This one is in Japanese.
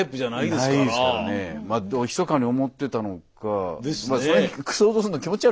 でもひそかに思ってたのかまあ